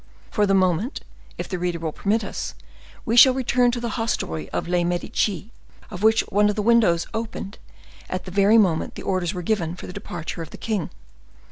For the moment, if the reader will permit us, we shall return to the hostelry of les Medici, of which one of the windows opened at the very moment the orders were given for the departure of the king.